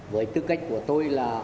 với tư cách của tôi là